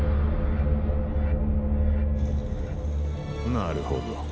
なるほど。